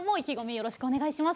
よろしくお願いします。